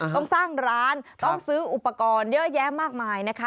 ต้องสร้างร้านต้องซื้ออุปกรณ์เยอะแยะมากมายนะคะ